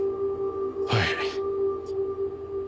はい。